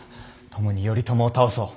共に頼朝を倒そう。